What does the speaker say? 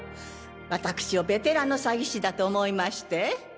わたくしをベテランの詐欺師だと思いまして？